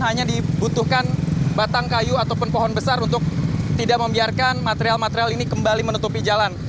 hanya dibutuhkan batang kayu ataupun pohon besar untuk tidak membiarkan material material ini kembali menutupi jalan